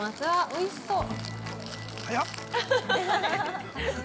◆おいしそう。